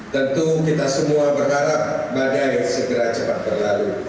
tentu kita semua berharap badai segera cepat berlalu